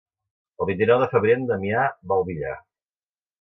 El vint-i-nou de febrer en Damià va al Villar.